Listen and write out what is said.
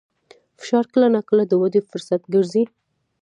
فشار کله ناکله د ودې فرصت ګرځي.